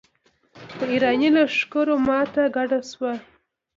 په اېراني لښکرو ماته ګډه شوه.